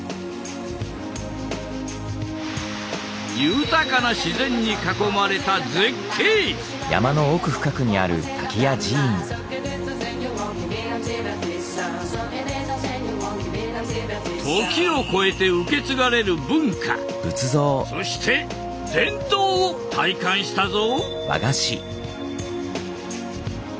豊かな自然に囲まれた時を超えて受け継がれるそして伝統を体感したぞ。